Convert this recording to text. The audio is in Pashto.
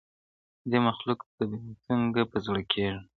دې مخلوق ته به مي څنګه په زړه کیږم؟-